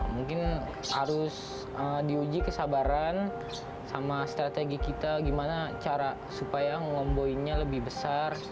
mungkin harus diuji kesabaran sama strategi kita gimana cara supaya ngomboinnya lebih besar